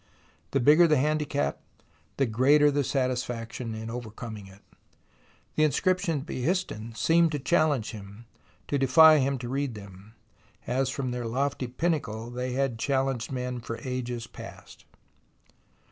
The bigger the handicap, the greater the satisfaction in overcoming it. The inscriptions at Behistun seemed to challenge him, to defy him to read them, as from their lofty pinnacle they had challenged men for ages past.